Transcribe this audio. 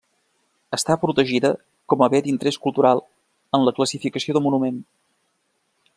Està protegida com a bé d'interès cultural en la classificació de monument.